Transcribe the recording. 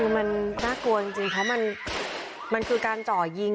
คือมันน่ากลัวจริงเพราะมันคือการเจาะยิง